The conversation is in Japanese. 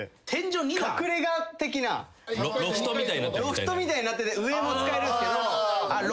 ロフトみたいになってて上も使えるんすけど。